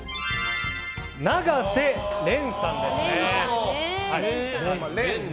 永瀬廉さんです。